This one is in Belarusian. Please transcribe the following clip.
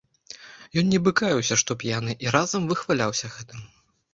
Ён нібы каяўся, што п'яны, і разам выхваляўся гэтым.